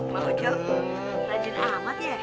pak haji selamat ya